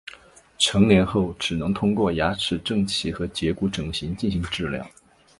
成年后只能通过牙齿正畸和截骨整形进行治疗。